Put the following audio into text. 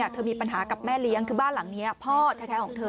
เธอมีปัญหากับแม่เลี้ยงคือบ้านหลังนี้พ่อแท้ของเธอ